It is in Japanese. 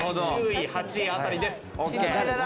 ９位、８位あたりです。